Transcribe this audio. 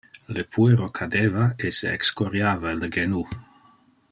Le puero cadeva e se excoriava le genu.